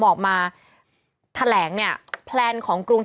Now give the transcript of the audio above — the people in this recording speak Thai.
เป็นการกระตุ้นการไหลเวียนของเลือด